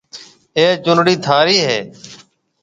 اَي چونڙِي ٿارِي هيَ۔